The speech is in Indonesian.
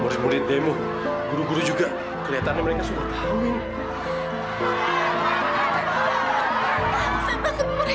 murid murid demo guru guru juga kelihatannya mereka sudah tahu